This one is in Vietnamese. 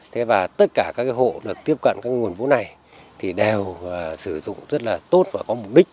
thế và tất cả các hộ được tiếp cận các nguồn vốn này thì đều sử dụng rất là tốt và có mục đích